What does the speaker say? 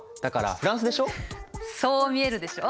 そう見えるでしょ？